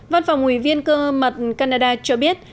văn phòng ủy viên cơ mật canada cho biết